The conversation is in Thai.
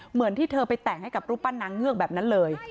เหมือนที่เธอไปแต่งให้กับรูปปั้นนางเงือกแบบนั้นเลย